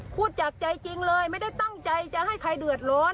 พูดจากใจจริงเลยไม่ได้ตั้งใจจะให้ใครเดือดร้อน